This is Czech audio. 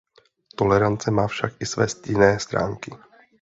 Tolerance má však i své stinné stránky.